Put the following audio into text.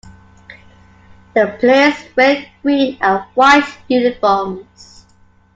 The players wear green and white uniforms.